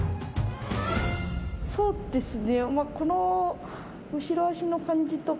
そうですね。